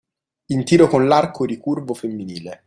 In tiro con l'arco ricurvo femminile.